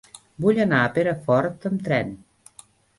Vull anar a Perafort amb tren.